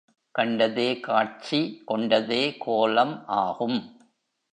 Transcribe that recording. கண்டதே காட்சி கொண்டதே கோலம் ஆகும்.